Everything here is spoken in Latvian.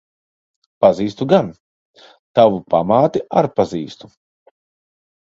Pazīstu gan. Tavu pamāti ar pazīstu.